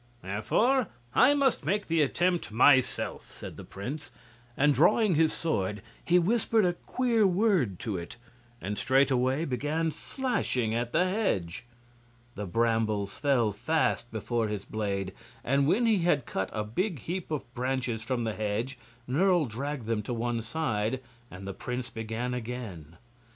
"Therefore I must make the attempt myself," said the prince, and drawing his sword he whispered a queer word to it, and straightway began slashing at the hedge. The brambles fell fast before his blade, and when he had cut a big heap of branches from the hedge Nerle dragged them to one side, and the prince began again.